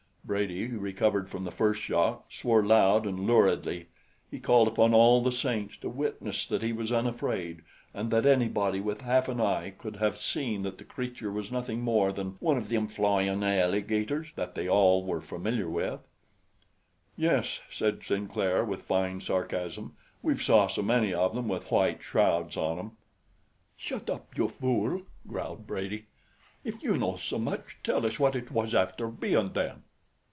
Brady, recovered from the first shock, swore loud and luridly. He called upon all the saints to witness that he was unafraid and that anybody with half an eye could have seen that the creature was nothing more than "one av thim flyin' alligators" that they all were familiar with. "Yes," said Sinclair with fine sarcasm, "we've saw so many of them with white shrouds on 'em." "Shut up, you fool!" growled Brady. "If you know so much, tell us what it was after bein' then."